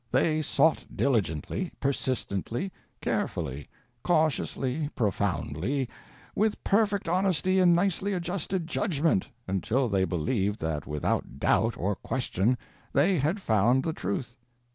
They sought diligently, persistently, carefully, cautiously, profoundly, with perfect honesty and nicely adjusted judgment—until they believed that without doubt or question they had found the Truth.